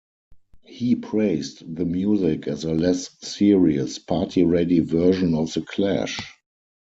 He praised the music as a "less-serious, party-ready version of The Clash".